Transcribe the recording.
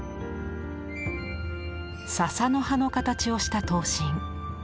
笹の葉の形をした刀身。